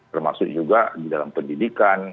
termasuk juga di dalam pendidikan